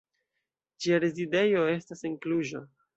Ĝia rezidejo estas en Kluĵo.